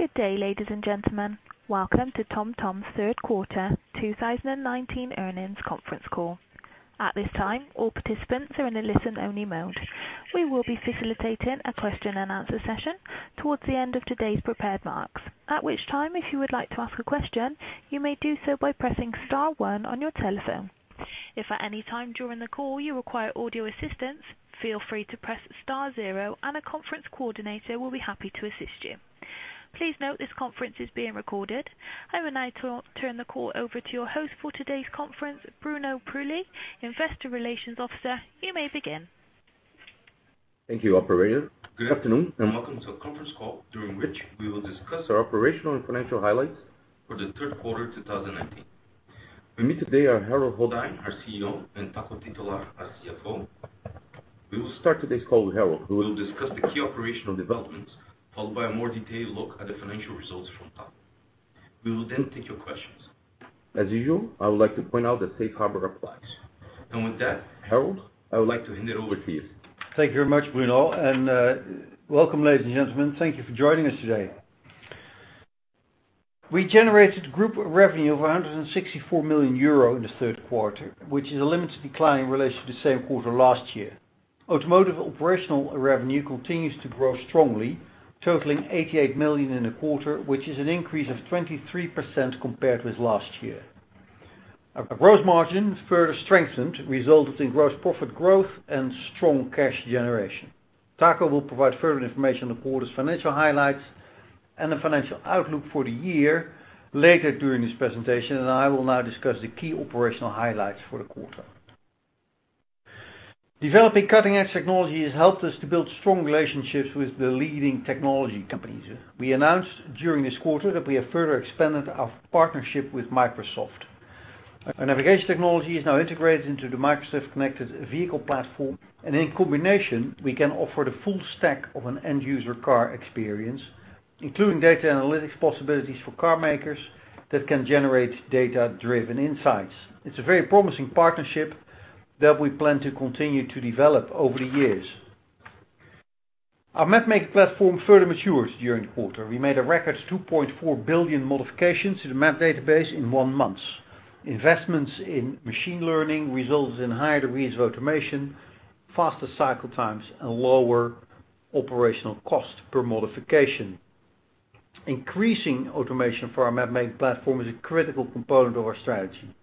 Good day, ladies and gentlemen. Welcome to TomTom's third quarter 2019 earnings conference call. At this time, all participants are in a listen-only mode. We will be facilitating a question and answer session towards the end of today's prepared remarks. At which time, if you would like to ask a question, you may do so by pressing star one on your telephone. If at any time during the call you require audio assistance, feel free to press star zero and a conference coordinator will be happy to assist you. Please note this conference is being recorded. I would now turn the call over to your host for today's conference, Bruno Prouli, investor relations officer. You may begin. Thank you, operator. Good afternoon, welcome to the conference call during which we will discuss our operational and financial highlights for the third quarter of 2019. With me today are Harold Goddijn, our CEO, and Taco Titulaer, our CFO. We will start today's call with Harold, who will discuss the key operational developments, followed by a more detailed look at the financial results from Taco. We will take your questions. As usual, I would like to point out that safe harbor applies. With that, Harold, I would like to hand it over to you. Thank you very much, Bruno. Welcome, ladies and gentlemen. Thank you for joining us today. We generated group revenue of 164 million euro in the third quarter, which is a limited decline in relation to the same quarter last year. Automotive operational revenue continues to grow strongly, totaling 88 million in the quarter, which is an increase of 23% compared with last year. Our gross margin further strengthened, resulting in gross profit growth and strong cash generation. Taco will provide further information on the quarter's financial highlights and the financial outlook for the year later during this presentation. I will now discuss the key operational highlights for the quarter. Developing cutting-edge technology has helped us to build strong relationships with the leading technology companies. We announced during this quarter that we have further expanded our partnership with Microsoft. Our navigation technology is now integrated into the Microsoft Connected Vehicle Platform, and in combination, we can offer the full stack of an end-user car experience, including data analytics possibilities for car makers that can generate data-driven insights. It's a very promising partnership that we plan to continue to develop over the years. Our map-making platform further matured during the quarter. We made a record 2.4 billion modifications to the map database in one month. Investments in machine learning resulted in higher degrees of automation, faster cycle times, and lower operational cost per modification. Increasing automation for our map-making platform is a critical component of our strategy.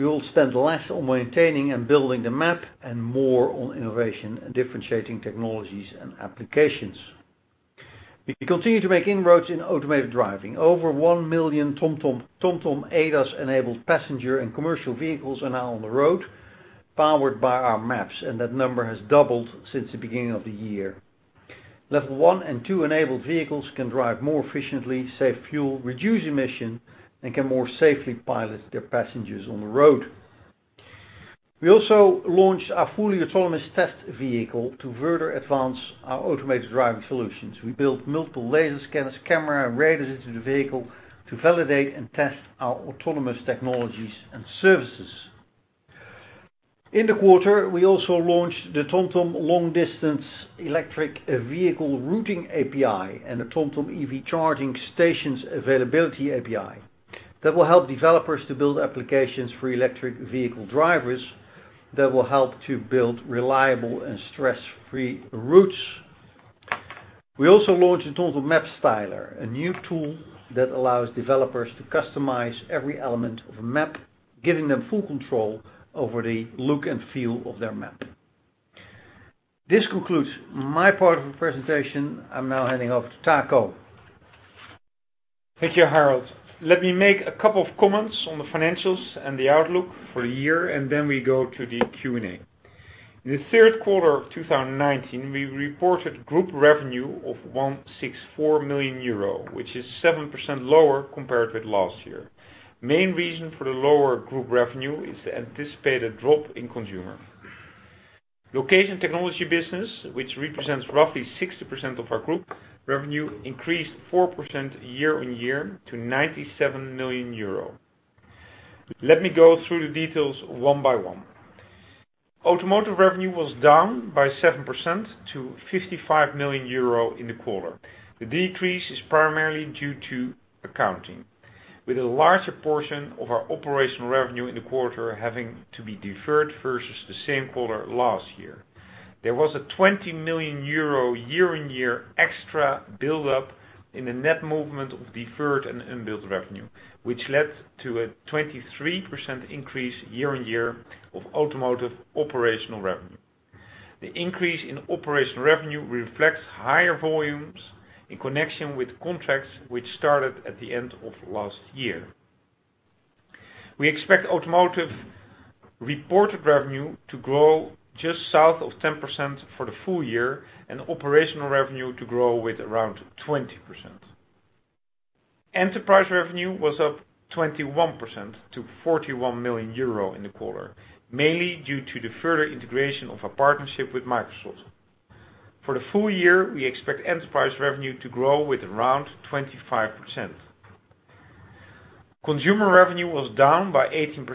We will spend less on maintaining and building the map and more on innovation and differentiating technologies and applications. We continue to make inroads in automated driving. Over 1 million TomTom ADAS-enabled passenger and commercial vehicles are now on the road powered by our maps, and that number has doubled since the beginning of the year. Level 1 and 2-enabled vehicles can drive more efficiently, save fuel, reduce emission, and can more safely pilot their passengers on the road. We also launched our fully autonomous test vehicle to further advance our automated driving solutions. We built multiple laser scanners, camera, and radars into the vehicle to validate and test our autonomous technologies and services. In the quarter, we also launched the TomTom Long Distance EV Routing API and the TomTom EV Charging Stations Availability API that will help developers to build applications for electric vehicle drivers that will help to build reliable and stress-free routes. We also launched the TomTom Map Styler, a new tool that allows developers to customize every element of a map, giving them full control over the look and feel of their map. This concludes my part of the presentation. I'm now handing over to Taco. Thank you, Harold. Let me make a couple of comments on the financials and the outlook for the year, then we go to the Q&A. In the third quarter of 2019, we reported group revenue of 164 million euro, which is 7% lower compared with last year. Main reason for the lower group revenue is the anticipated drop in Consumer. Location Technology Business, which represents roughly 60% of our group revenue, increased 4% year-on-year to 97 million euro. Let me go through the details one by one. Automotive revenue was down by 7% to 55 million euro in the quarter. The decrease is primarily due to accounting, with a larger portion of our operational revenue in the quarter having to be deferred versus the same quarter last year. There was a 20 million euro year-on-year extra buildup in the net movement of deferred and unbilled revenue, which led to a 23% increase year-on-year of automotive operational revenue. The increase in operational revenue reflects higher volumes in connection with contracts which started at the end of last year. We expect automotive reported revenue to grow just south of 10% for the full year and operational revenue to grow with around 20%. Enterprise revenue was up 21% to 41 million euro in the quarter, mainly due to the further integration of our partnership with Microsoft. For the full year, we expect enterprise revenue to grow with around 25%. Consumer revenue was down by 18%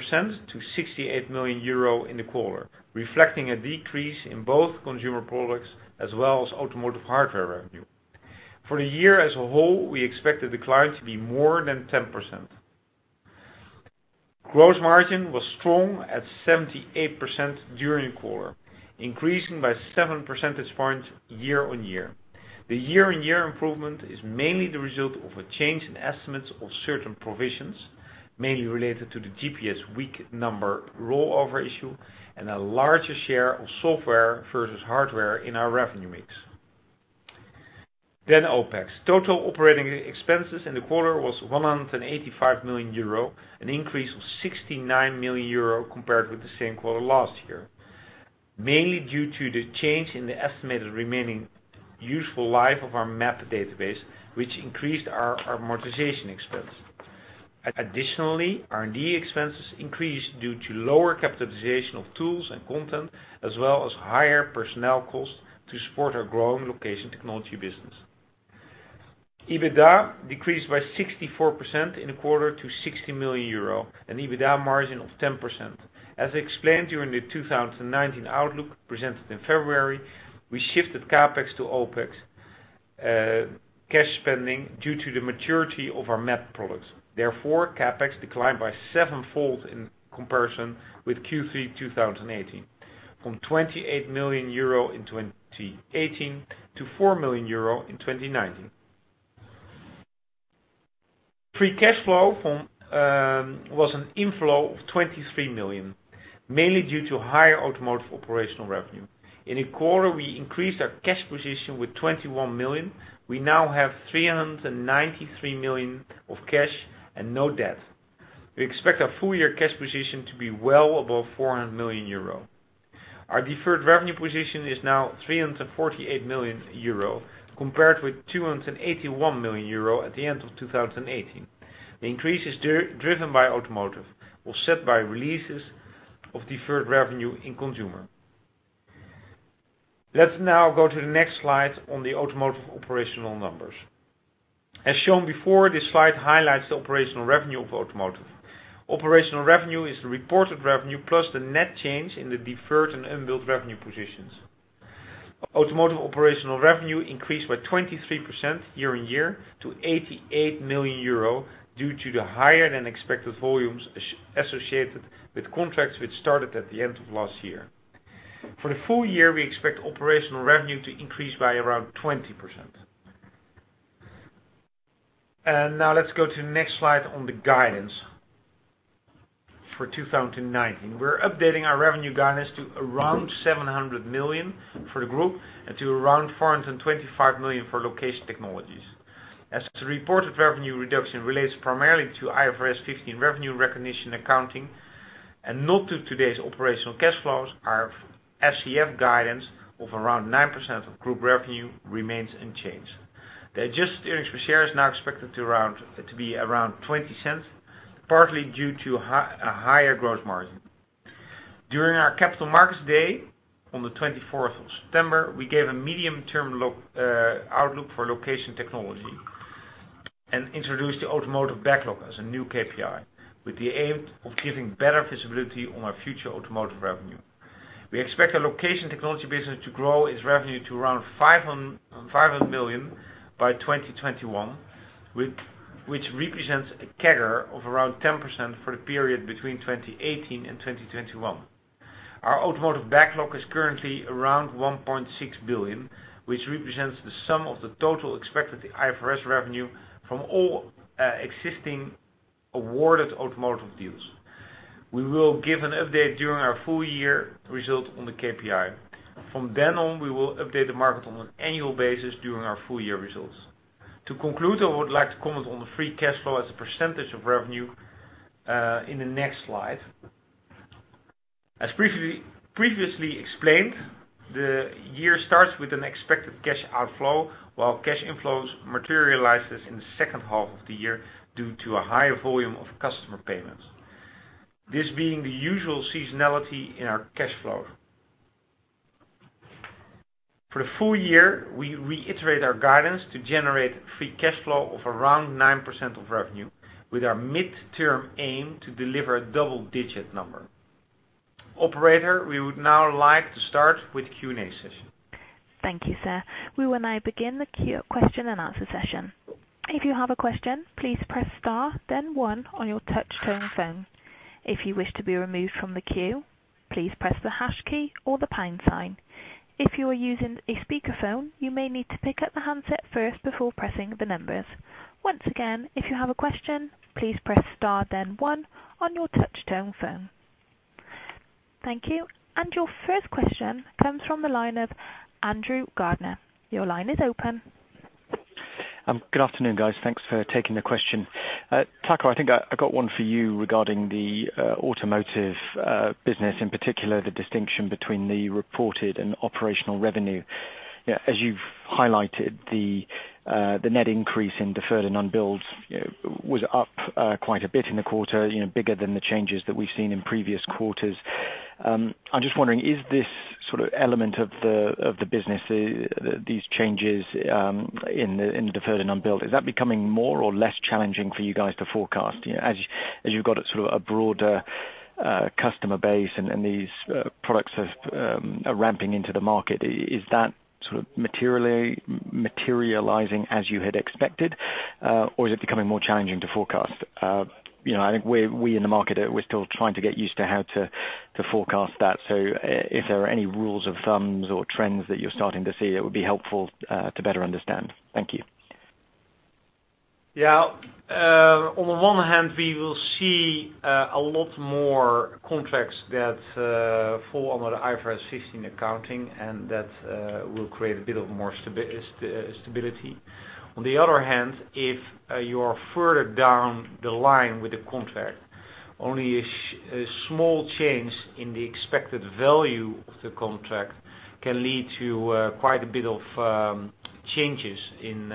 to 68 million euro in the quarter, reflecting a decrease in both consumer products as well as automotive hardware revenue. For the year as a whole, we expect the decline to be more than 10%. Gross margin was strong at 78% during the quarter, increasing by 7 percentage points year-on-year. The year-on-year improvement is mainly the result of a change in estimates of certain provisions, mainly related to the GPS week number rollover issue and a larger share of software versus hardware in our revenue mix. OpEx. Total operating expenses in the quarter was €185 million, an increase of €69 million compared with the same quarter last year, mainly due to the change in the estimated remaining useful life of our map database, which increased our amortization expense. Additionally, R&D expenses increased due to lower capitalization of tools and content, as well as higher personnel costs to support our growing location technology business. EBITDA decreased by 64% in the quarter to €60 million, an EBITDA margin of 10%. As explained during the 2019 outlook presented in February, we shifted CapEx to OpEx cash spending due to the maturity of our map products. CapEx declined by sevenfold in comparison with Q3 2018, from 28 million euro in 2018 to 4 million euro in 2019. Free cash flow was an inflow of 23 million, mainly due to higher automotive operational revenue. In the quarter, we increased our cash position with 21 million. We now have 393 million of cash and no debt. We expect our full year cash position to be well above 400 million euro. Our deferred revenue position is now 348 million euro, compared with 281 million euro at the end of 2018. The increase is driven by automotive, offset by releases of deferred revenue in consumer. Let's now go to the next slide on the automotive operational numbers. As shown before, this slide highlights the operational revenue of automotive. Operational revenue is the reported revenue plus the net change in the deferred and unbilled revenue positions. Automotive operational revenue increased by 23% year-on-year to 88 million euro due to the higher than expected volumes associated with contracts which started at the end of last year. For the full year, we expect operational revenue to increase by around 20%. Now let's go to the next slide on the guidance for 2019. We're updating our revenue guidance to around 700 million for the group and to around 425 million for location technologies. As the reported revenue reduction relates primarily to IFRS 15 revenue recognition accounting and not to today's operational cash flows, our FCF guidance of around 9% of group revenue remains unchanged. The adjusted earnings per share is now expected to be around 0.20, partly due to a higher growth margin. During our Capital Markets Day on the 24th of September, we gave a medium term outlook for location technology and introduced the automotive backlog as a new KPI, with the aim of giving better visibility on our future automotive revenue. We expect our location technology business to grow its revenue to around 500 million by 2021, which represents a CAGR of around 10% for the period between 2018 and 2021. Our automotive backlog is currently around 1.6 billion, which represents the sum of the total expected IFRS revenue from all existing awarded automotive deals. We will give an update during our full year results on the KPI. From then on, we will update the market on an annual basis during our full year results. To conclude, I would like to comment on the free cash flow as a percentage of revenue in the next slide. As previously explained, the year starts with an expected cash outflow while cash inflows materializes in the second half of the year due to a higher volume of customer payments, this being the usual seasonality in our cash flow. For the full year, we reiterate our guidance to generate free cash flow of around 9% of revenue, with our midterm aim to deliver a double-digit number. Operator, we would now like to start with the Q&A session. Thank you, sir. We will now begin the question and answer session. If you have a question, please press star then one on your touchtone phone. If you wish to be removed from the queue, please press the hash key or the pound sign. If you are using a speakerphone, you may need to pick up the handset first before pressing the numbers. Once again, if you have a question, please press star then one on your touchtone phone. Thank you. Your first question comes from the line of Andrew Gardner. Your line is open. Good afternoon, guys. Thanks for taking the question. Taco, I think I got one for you regarding the automotive business, in particular the distinction between the reported and operational revenue. As you've highlighted, the net increase in deferred and unbilled was up quite a bit in the quarter, bigger than the changes that we've seen in previous quarters. I'm just wondering, is this element of the business, these changes in deferred and unbilled, is that becoming more or less challenging for you guys to forecast? As you've got a broader customer base and these products are ramping into the market, is that materializing as you had expected? Is it becoming more challenging to forecast? I think we in the market, we're still trying to get used to how to forecast that. If there are any rules of thumb or trends that you're starting to see, that would be helpful to better understand. Thank you. On the one hand, we will see a lot more contracts that fall under IFRS 15 accounting, and that will create a bit of more stability. On the other hand, if you are further down the line with the contract, only a small change in the expected value of the contract can lead to quite a bit of changes in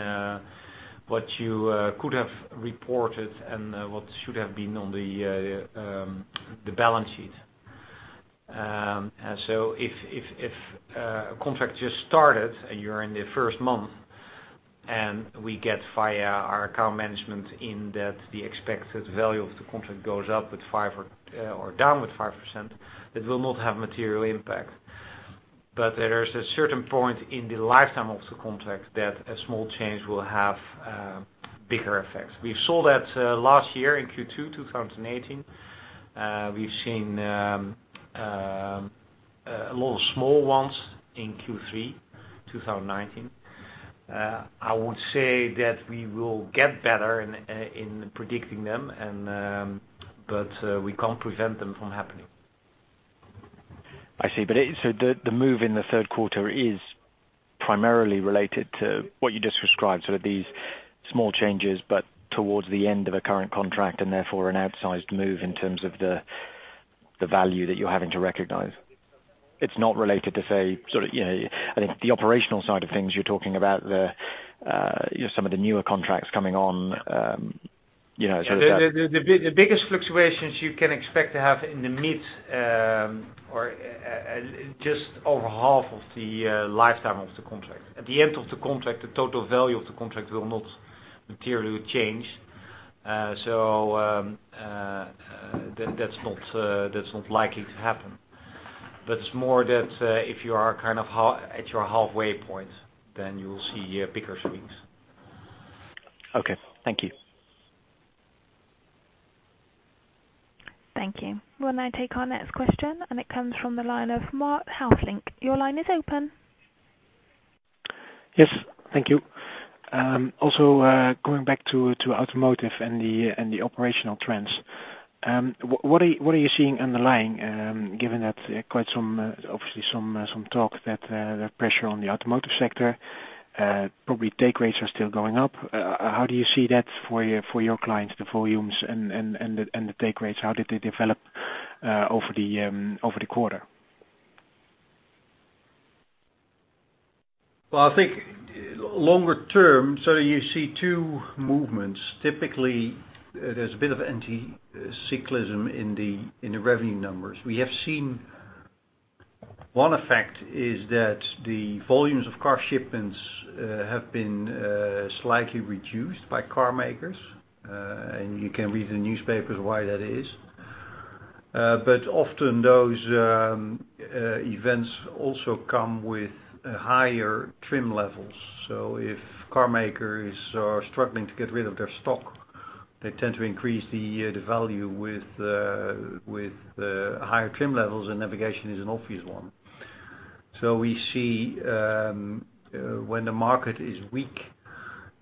what you could have reported and what should have been on the balance sheet. If a contract just started, and you're in the first month, and we get via our account management in that the expected value of the contract goes up with five or down with 5%, it will not have material impact. There is a certain point in the lifetime of the contract that a small change will have bigger effects. We saw that last year in Q2 2018. We've seen a lot of small ones in Q3 2019. I would say that we will get better in predicting them, but we can't prevent them from happening. I see. The move in the third quarter is primarily related to what you just described, these small changes, but towards the end of a current contract, and therefore an outsized move in terms of the value that you're having to recognize. It's not related to, say, I think the operational side of things you're talking about, some of the newer contracts coming on. The biggest fluctuations you can expect to have in the mid or just over half of the lifetime of the contract. At the end of the contract, the total value of the contract will not materially change. That's not likely to happen. It's more that if you are at your halfway point, you will see bigger swings. Okay. Thank you. Thank you. We'll now take our next question. It comes from the line of Marc Hesselink. Your line is open. Yes. Thank you. Going back to automotive and the operational trends. What are you seeing underlying, given that quite obviously some talk that pressure on the automotive sector, probably take rates are still going up. How do you see that for your clients, the volumes and the take rates? How did they develop over the quarter? Well, I think longer term, you see two movements. Typically, there's a bit of anti-cyclism in the revenue numbers. We have seen one effect is that the volumes of car shipments have been slightly reduced by car makers, and you can read in the newspapers why that is. Often those events also come with higher trim levels. If car makers are struggling to get rid of their stock, they tend to increase the value with higher trim levels, and navigation is an obvious one. We see when the market is weak,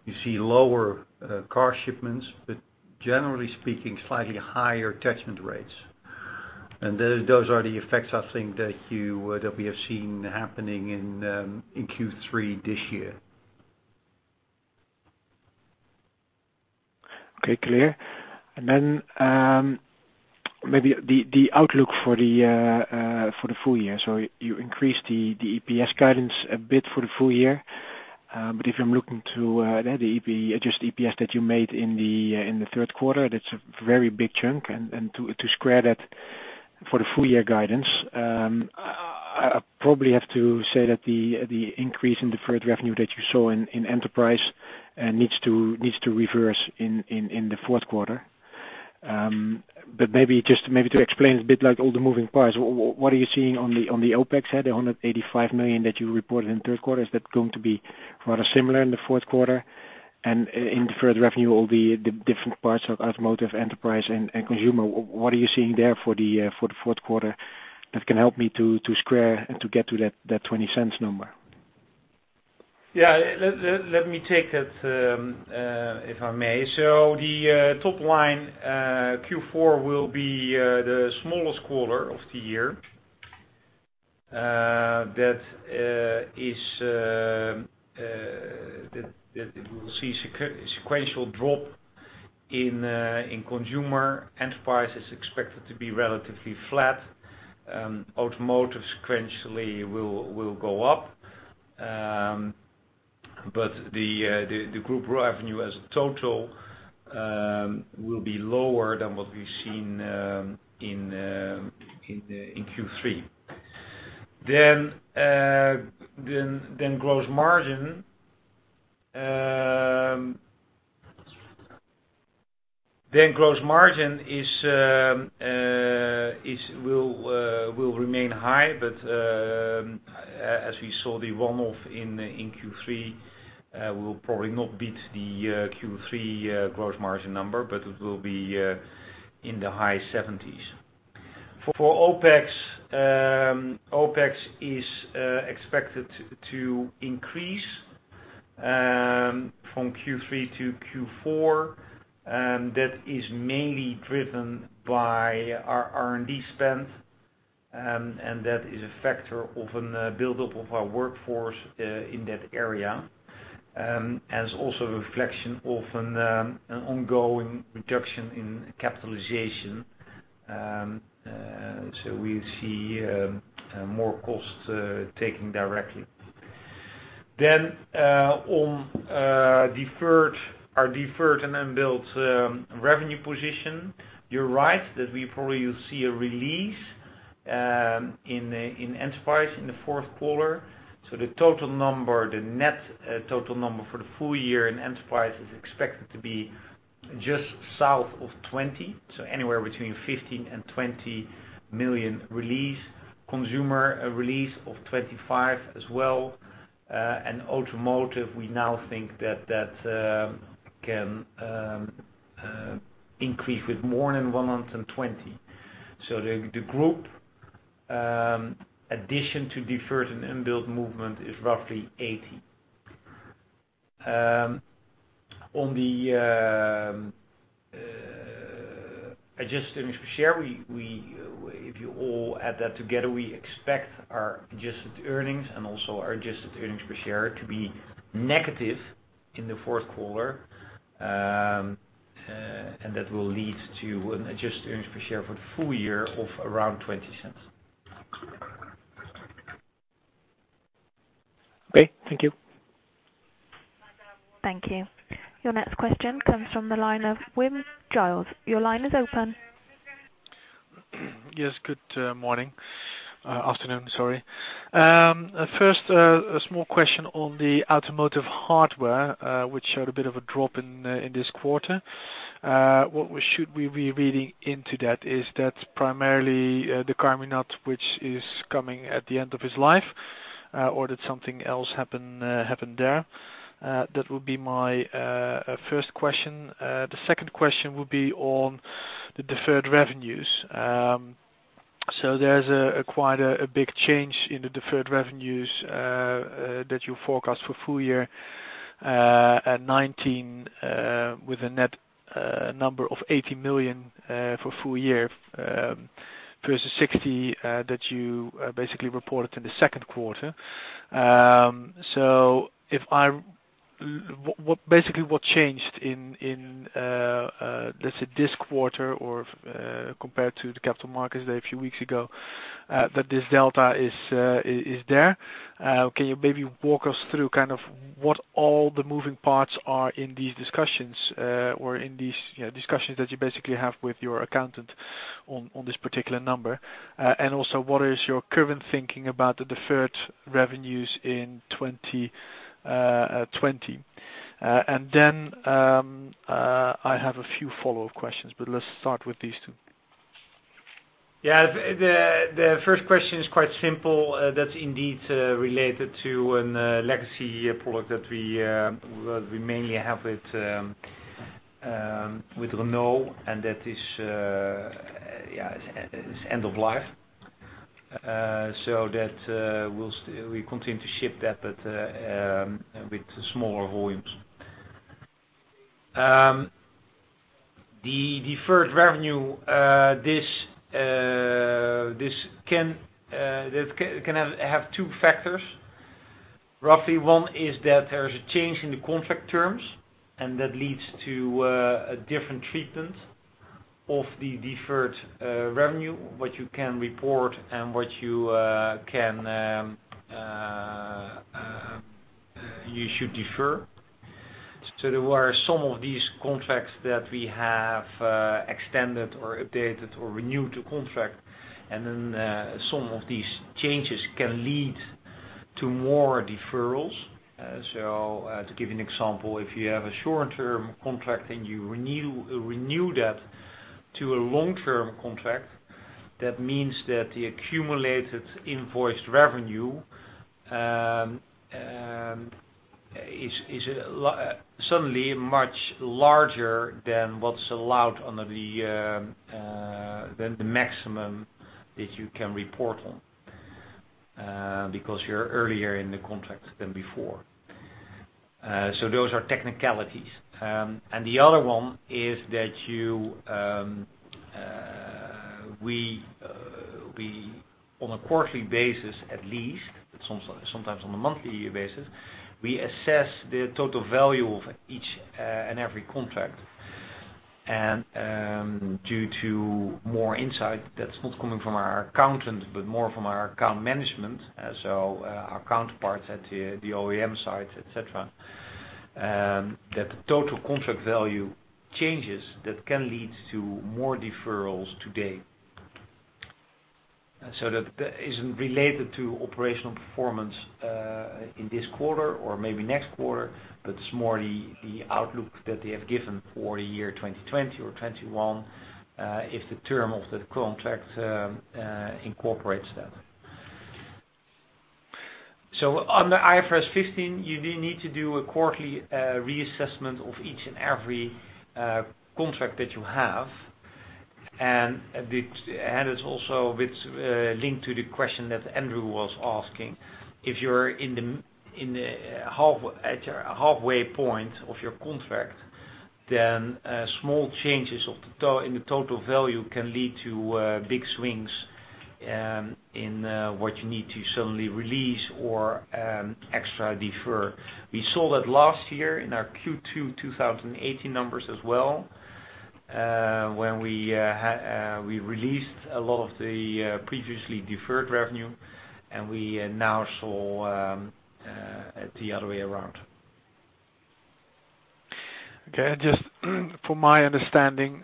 you see lower car shipments, but generally speaking, slightly higher attachment rates. Those are the effects, I think, that we have seen happening in Q3 this year. Okay. Clear. Maybe the outlook for the full year. You increased the EPS guidance a bit for the full year. If I'm looking to that, the adjusted EPS that you made in the third quarter, that's a very big chunk, and to square that for the full year guidance, I probably have to say that the increase in deferred revenue that you saw in enterprise needs to reverse in the fourth quarter. Maybe just to explain a bit like all the moving parts, what are you seeing on the OpEx side, the 185 million that you reported in the third quarter, is that going to be rather similar in the fourth quarter? In deferred revenue or the different parts of automotive, enterprise and consumer, what are you seeing there for the fourth quarter that can help me to square and to get to that 0.20 number? Yeah. Let me take that, if I may. The top line Q4 will be the smallest quarter of the year. That we will see sequential drop in consumer. Enterprise is expected to be relatively flat. Automotive sequentially will go up. The group raw revenue as a total will be lower than what we've seen in Q3. Gross margin will remain high, but as we saw the one-off in Q3, we will probably not beat the Q3 gross margin number, but it will be in the high 70s. For OpEx is expected to increase from Q3 to Q4, and that is mainly driven by our R&D spend, and that is a factor of a buildup of our workforce in that area, and is also a reflection of an ongoing reduction in capitalization. We see more costs taken directly. On our deferred and unbilled revenue position, you're right that we probably will see a release in Enterprise in the fourth quarter. The net total number for the full year in Enterprise is expected to be just south of 20 million, anywhere between 15 million and 20 million release. Consumer, a release of 25 million as well. Automotive, we now think that can increase with more than 120 million. The group addition to deferred and unbilled movement is roughly EUR 80 million. On the adjusted earnings per share, if you add that all together, we expect our adjusted earnings and also our adjusted earnings per share to be negative in the fourth quarter. That will lead to an adjusted earnings per share for the full year of around 0.20. Okay. Thank you. Thank you. Your next question comes from the line of Wim Gille. Your line is open. Yes, good morning, afternoon. Sorry. First, a small question on the automotive hardware, which showed a bit of a drop in this quarter. What should we be reading into that? Is that primarily the Carminat, which is coming at the end of its life, or did something else happen there? That would be my first question. Second question would be on the deferred revenues. There's quite a big change in the deferred revenues that you forecast for full year at 2019, with a net number of 80 million for a full year versus 60 million that you basically reported in the second quarter. Basically what changed in, let's say, this quarter or compared to the Capital Markets Day a few weeks ago, that this delta is there? Can you maybe walk us through kind of what all the moving parts are in these discussions, or in these discussions that you basically have with your accountant on this particular number? Also what is your current thinking about the deferred revenues in 2020? Then, I have a few follow-up questions, but let's start with these two. Yeah. The first question is quite simple. That's indeed related to a legacy product that we mainly have with Renault, and that is end of life. We continue to ship that, but with smaller volumes. The deferred revenue, this can have two factors. Roughly one is that there is a change in the contract terms, and that leads to a different treatment of the deferred revenue, what you can report and what you should defer. There were some of these contracts that we have extended or updated or renewed the contract, and then some of these changes can lead to more deferrals. To give you an example, if you have a short-term contract and you renew that to a long-term contract, that means that the accumulated invoiced revenue is suddenly much larger than the maximum that you can report on, because you're earlier in the contract than before. Those are technicalities. The other one is that we, on a quarterly basis at least, but sometimes on a monthly basis, we assess the total value of each and every contract. Due to more insight that's not coming from our accountant, but more from our account management, so our counterparts at the OEM sites, et cetera, that the total contract value changes, that can lead to more deferrals today. That isn't related to operational performance in this quarter or maybe next quarter, but it's more the outlook that they have given for the year 2020 or 2021, if the term of the contract incorporates that. Under IFRS 15, you need to do a quarterly reassessment of each and every contract that you have. It's also linked to the question that Andrew was asking. If you're at your halfway point of your contract, then small changes in the total value can lead to big swings in what you need to suddenly release or extra defer. We saw that last year in our Q2 2018 numbers as well, when we released a lot of the previously deferred revenue, and we now saw it the other way around. Okay. Just for my understanding,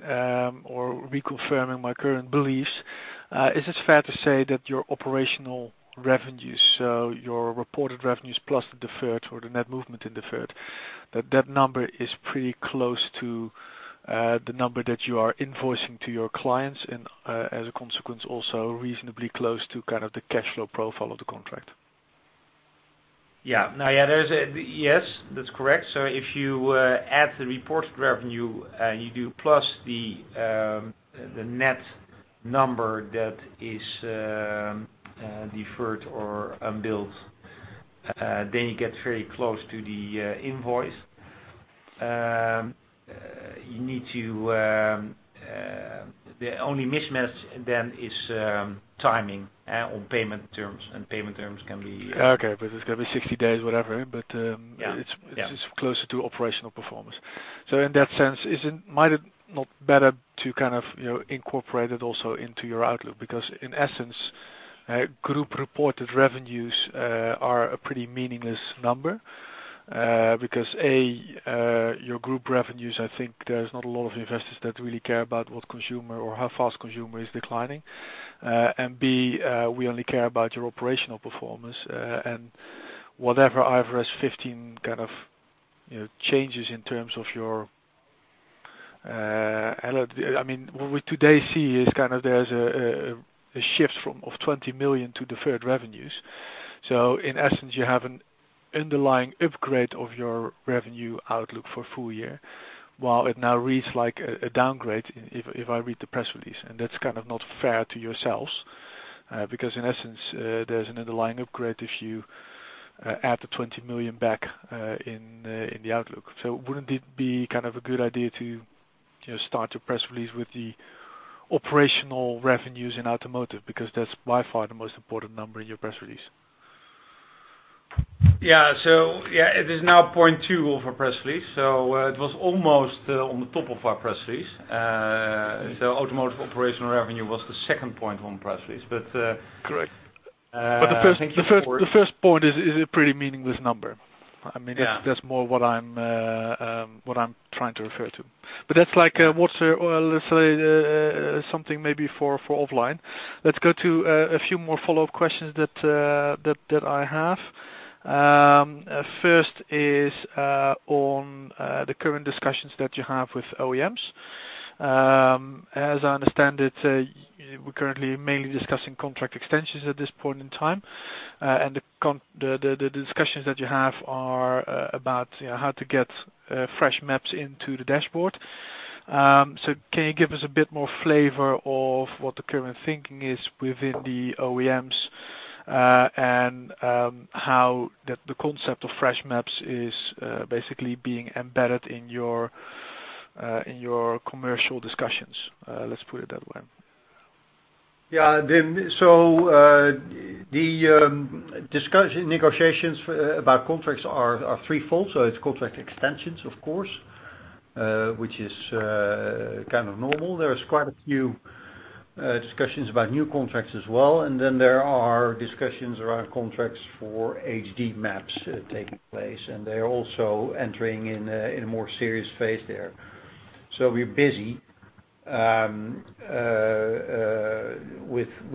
or reconfirming my current beliefs, is it fair to say that your operational revenues, so your reported revenues plus the deferred or the net movement in deferred, that number is pretty close to the number that you are invoicing to your clients, and, as a consequence also, reasonably close to kind of the cash flow profile of the contract? Yes, that's correct. If you add the reported revenue and you do plus the net number that is deferred or unbilled, then you get very close to the invoice. The only mismatch then is timing on payment terms, payment terms can be. Okay, because it's going to be 60 days, whatever. Yeah it's closer to operational performance. In that sense, might it not better to incorporate it also into your outlook? In essence, group reported revenues are a pretty meaningless number. A, your group revenues, I think there's not a lot of investors that really care about what Consumer or how fast Consumer is declining. B, we only care about your operational performance. What we today see is there's a shift of 20 million to deferred revenues. In essence, you have an underlying upgrade of your revenue outlook for full year, while it now reads like a downgrade, if I read the press release. That's not fair to yourselves, because in essence, there's an underlying upgrade if you add the 20 million back in the outlook. Wouldn't it be a good idea to start your press release with the operational revenues in automotive? That's by far the most important number in your press release. Yeah. It is now point 2 of our press release. It was almost on the top of our press release. Automotive operational revenue was the second point on press release. Correct. Thank you for- The first point is a pretty meaningless number. Yeah. That's more what I'm trying to refer to. That's like water or let's say something maybe for offline. Let's go to a few more follow-up questions that I have. First is on the current discussions that you have with OEMs. As I understand it, we're currently mainly discussing contract extensions at this point in time. The discussions that you have are about how to get fresh maps into the dashboard. Can you give us a bit more flavor of what the current thinking is within the OEMs, and how the concept of fresh maps is basically being embedded in your commercial discussions? Let's put it that way. Yeah. The negotiations about contracts are threefold. It's contract extensions, of course, which is kind of normal. There is quite a few discussions about new contracts as well, and then there are discussions around contracts for HD map taking place, and they are also entering in a more serious phase there. We're busy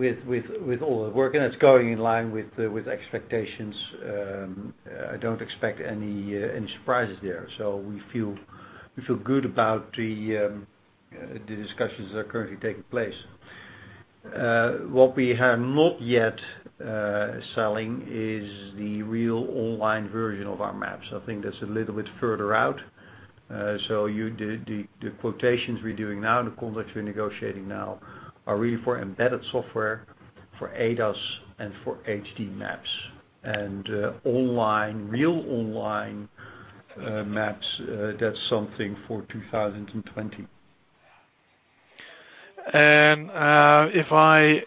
with all the work, and it's going in line with expectations. I don't expect any surprises there. We feel good about the discussions that are currently taking place. What we have not yet selling is the real online version of our maps. I think that's a little bit further out. The quotations we're doing now, the contracts we're negotiating now, are really for embedded software for ADAS and for HD map. Online, real online maps, that's something for 2020.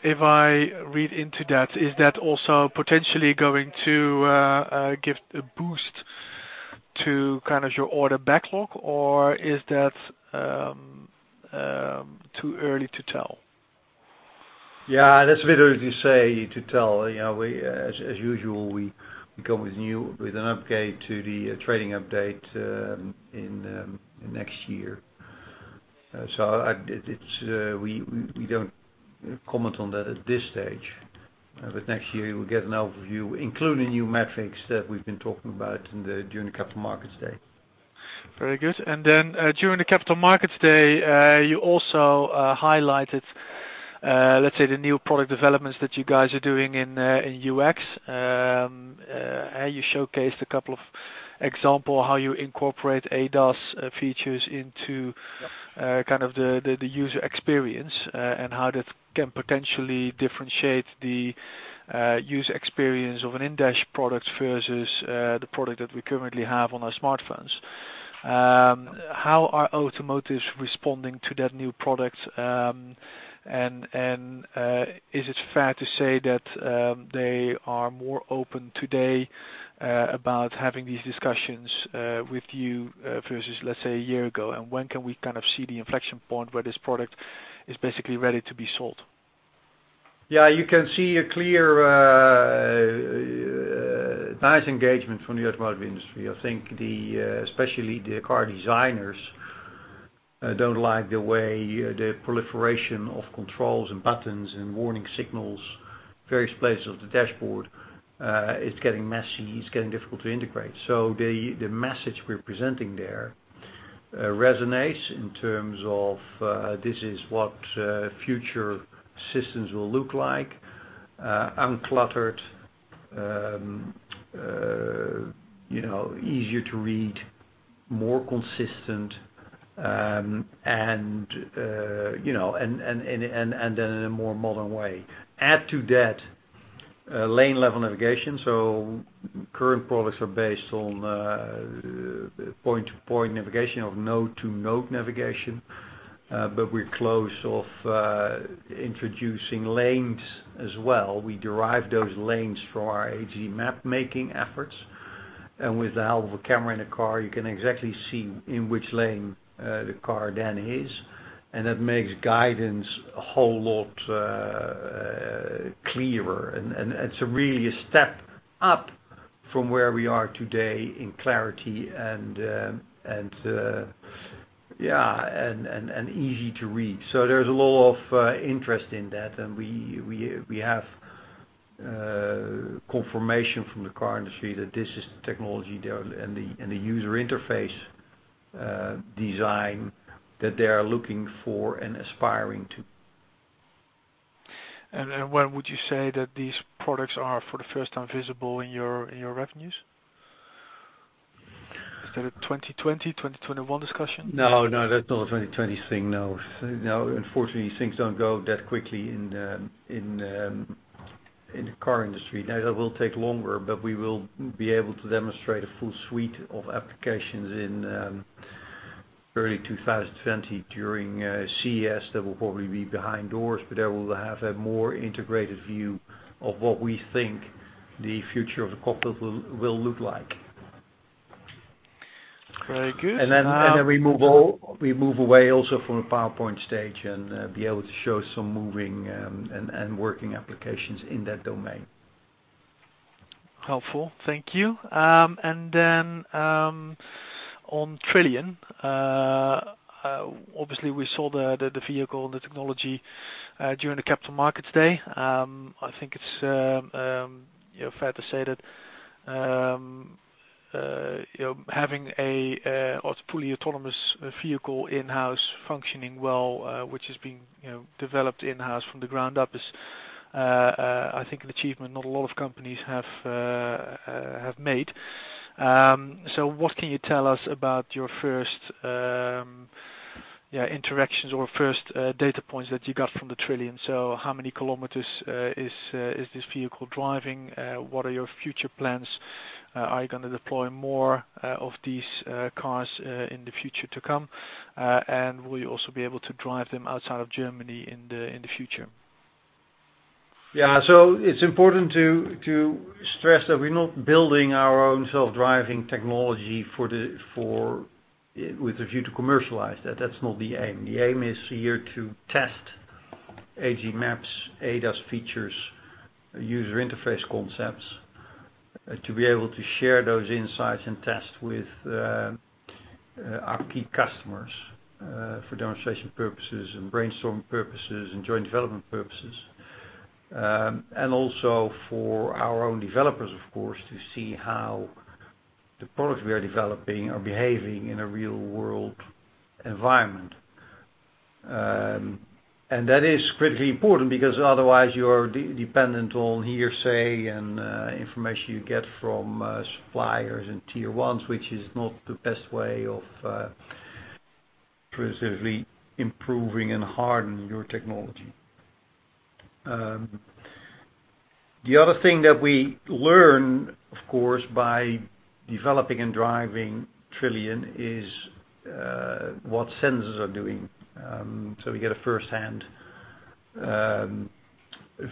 If I read into that, is that also potentially going to give a boost to your order backlog, or is that too early to tell? Yeah, that's a bit early to tell. As usual, we come with an upgrade to the trading update in next year. We don't comment on that at this stage. Next year you will get an overview, including new metrics that we've been talking about during the Capital Markets Day. Very good. During the Capital Markets Day, you also highlighted, let's say, the new product developments that you guys are doing in UX. You showcased a couple of example how you incorporate ADAS features into the user experience, and how that can potentially differentiate the user experience of an in-dash product versus the product that we currently have on our smartphones. How are automotives responding to that new product? Is it fair to say that they are more open today about having these discussions with you versus, let's say, a year ago? When can we see the inflection point where this product is basically ready to be sold? Yeah, you can see a clear, nice engagement from the automotive industry. I think especially the car designers don't like the way the proliferation of controls and buttons and warning signals, various places of the dashboard, it's getting messy, it's getting difficult to integrate. The message we're presenting there resonates in terms of this is what future systems will look like, uncluttered, easier to read, more consistent, and then in a more modern way. Add to that lane level navigation. Current products are based on point-to-point navigation or node-to-node navigation. We're close of introducing lanes as well. We derive those lanes from our HD map-making efforts. With the help of a camera in a car, you can exactly see in which lane the car then is. That makes guidance a whole lot clearer. It's really a step up from where we are today in clarity and easy to read. There's a lot of interest in that, and we have confirmation from the car industry that this is the technology and the user interface design that they are looking for and aspiring to. When would you say that these products are for the first time visible in your revenues? Is that a 2020, 2021 discussion? No, that's not a 2020 thing. No. Unfortunately, things don't go that quickly in the car industry. That will take longer, but we will be able to demonstrate a full suite of applications in early 2020 during CES. That will probably be behind doors, but that will have a more integrated view of what we think the future of the cockpit will look like. Very good. We move away also from the PowerPoint stage and be able to show some moving and working applications in that domain. Helpful. Thank you. On Trillian, obviously we saw the vehicle and the technology during the Capital Markets Day. I think it's fair to say that having a fully autonomous vehicle in-house functioning well, which is being developed in-house from the ground up is, I think, an achievement not a lot of companies have made. What can you tell us about your first interactions or first data points that you got from the Trillian? How many kilometers is this vehicle driving? What are your future plans? Are you going to deploy more of these cars in the future to come? Will you also be able to drive them outside of Germany in the future? It's important to stress that we're not building our own self-driving technology with the view to commercialize that. That's not the aim. The aim is here to test HD map, ADAS features, user interface concepts, to be able to share those insights and test with our key customers, for demonstration purposes and brainstorm purposes and joint development purposes. Also for our own developers, of course, to see how the products we are developing are behaving in a real-world environment. That is critically important because otherwise you are dependent on hearsay and information you get from suppliers and tier ones, which is not the best way of progressively improving and hardening your technology. The other thing that we learn, of course, by developing and driving Trillian is what sensors are doing. We get a firsthand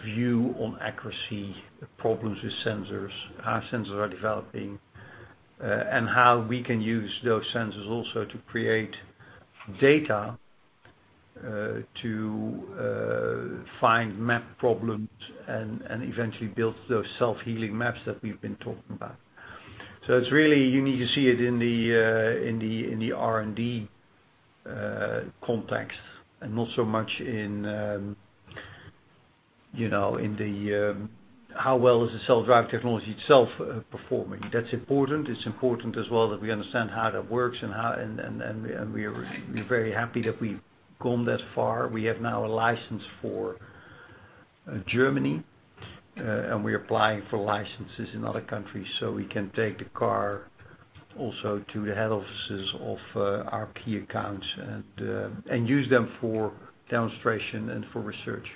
view on accuracy, problems with sensors, how sensors are developing, and how we can use those sensors also to create data to find map problems and eventually build those self-healing maps that we've been talking about. You need to see it in the R&D context and not so much in the how well is the self-driving technology itself performing. That's important. It's important as well that we understand how that works and we are very happy that we've come that far. We have now a license for Germany, and we're applying for licenses in other countries so we can take the car also to the head offices of our key accounts and use them for demonstration and for research.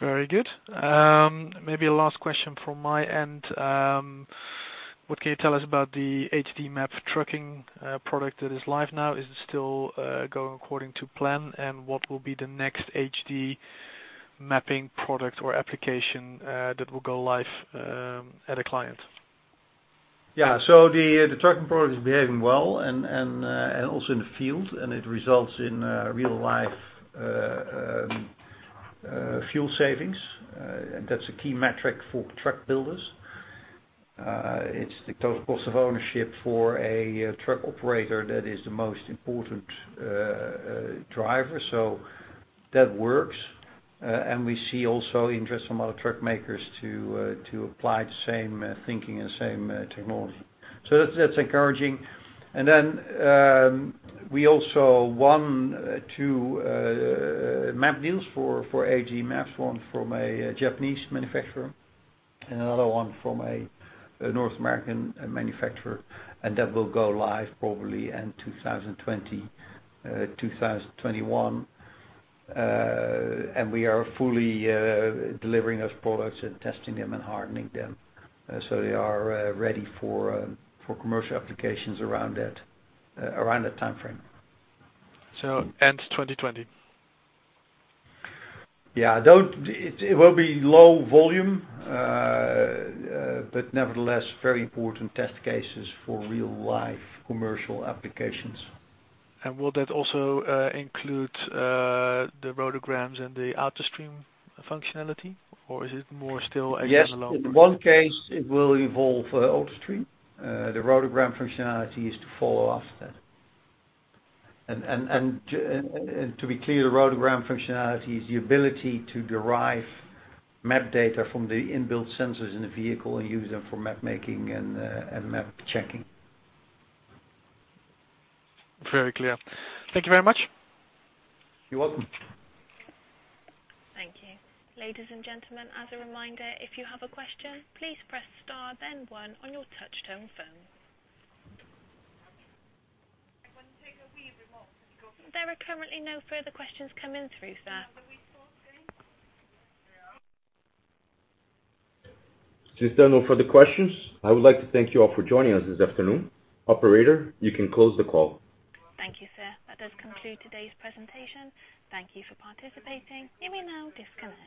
Very good. Maybe a last question from my end. What can you tell us about the HD map trucking product that is live now? Is it still going according to plan? What will be the next HD mapping product or application that will go live at a client? The trucking product is behaving well and also in the field, and it results in real-life fuel savings. That's a key metric for truck builders. It's the total cost of ownership for a truck operator that is the most important driver. That works. We see also interest from other truck makers to apply the same thinking and same technology. That's encouraging. We also won two map deals for HD map, one from a Japanese manufacturer and another one from a North American manufacturer. That will go live probably end 2020, 2021. We are fully delivering those products and testing them and hardening them so they are ready for commercial applications around that timeframe. End 2020? Yeah. It will be low volume, but nevertheless, very important test cases for real-life commercial applications. Will that also include the RoadDNA and the AutoStream functionality? Or is it more still again alone? Yes. In one case it will involve AutoStream. The rotogram functionality is to follow after that. To be clear, the rotogram functionality is the ability to derive map data from the inbuilt sensors in the vehicle and use them for map making and map checking. Very clear. Thank you very much. You're welcome. Thank you. Ladies and gentlemen, as a reminder, if you have a question, please press star then one on your touch-tone phone. I want to take a wee remote. There are currently no further questions coming through, sir. Can we talk then? Since there are no further questions, I would like to thank you all for joining us this afternoon. Operator, you can close the call. Thank you, sir. That does conclude today's presentation. Thank you for participating. You may now disconnect.